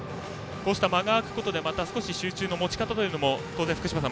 こうした間が空くことで少し集中の持ち方も当然、福島さん